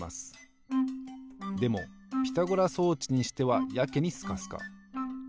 でもピタゴラ装置にしてはやけにスカスカ。